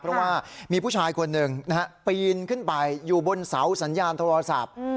เพราะว่ามีผู้ชายคนหนึ่งปีนขึ้นไปอยู่บนเสาสัญญาณโทรศัพท์